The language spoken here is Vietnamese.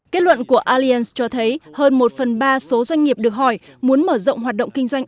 kết luận của allian cho thấy hơn một phần ba số doanh nghiệp được hỏi muốn mở rộng hoạt động kinh doanh